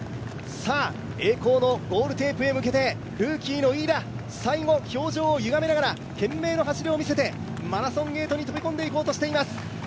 さあ、栄光のゴールテープへ向けてルーキーの飯田、最後、表情をゆがめながら懸命の走りを見せてマラソンゲートに飛び込んでいこうとしています。